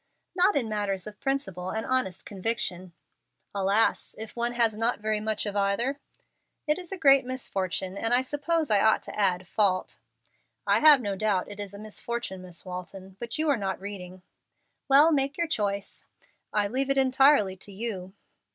'" "Not in matters of principle and honest conviction." "Alas! if one has not very much of either!" "It is a very great misfortune, and, I suppose I ought to add, fault." "I have no doubt it is a misfortune, Miss Walton, but you are not reading." "Well, make your choice." "I leave it entirely to you."